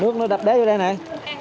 nước nó đập đế vô đây này